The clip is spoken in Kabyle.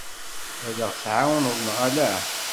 Ad aɣ-tɛawneḍ neɣ ala?